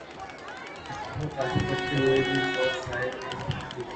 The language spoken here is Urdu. وہ طاقت رکھتے ہوئے بھی خوف کے سائے میں جیتے ہیں۔